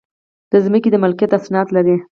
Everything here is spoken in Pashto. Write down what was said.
د ځمکې د ملکیت اسناد لرئ؟